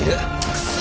くそ。